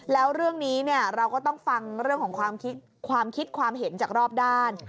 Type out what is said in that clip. แล้วเรื่องนี้เราก็ต้องฟังเรื่องของความคิดความเห็นจากรอบด้าน